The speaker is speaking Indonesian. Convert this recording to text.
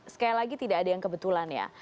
sekali lagi tidak ada yang kebetulan ya